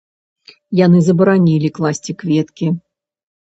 Яны забаранілі класці кветкі.